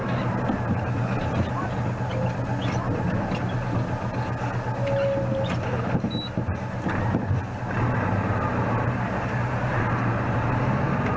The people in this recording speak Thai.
ห่างกาลังหาตุภาพกลิ่นรีบ